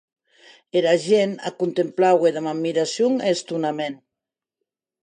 Era gent ac contemplaue damb admiracion e estonament.